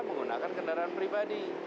menggunakan kendaraan pribadi